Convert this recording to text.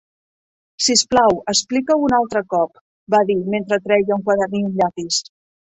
"Si us plau, explica-ho un altre cop", va dir, mentre treia un quadern i un llapis.